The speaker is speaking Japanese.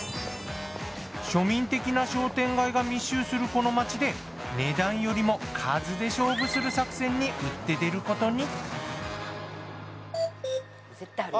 庶民的な商店街が密集するこの街で値段よりも数で勝負する作戦に打って出ることに。